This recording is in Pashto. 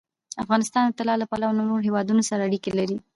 افغانستان د طلا له پلوه له نورو هېوادونو سره اړیکې لري.